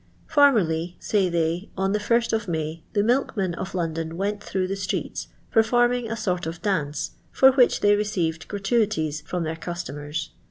Formerly, say they, on the first of May the milkmen of London went through the streets, performing a sort of dance, for which they received gratuities from their customers.